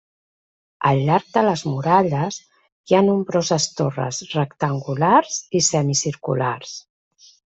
Al llarg de les muralles hi ha nombroses torres rectangulars i semicirculars.